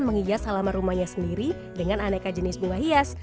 menghias halaman rumahnya sendiri dengan aneka jenis bunga hias